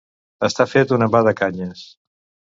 Estar fet un envà de canyes.